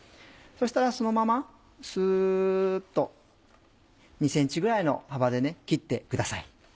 そしたらそのままスっと２ｃｍぐらいの幅で切ってください。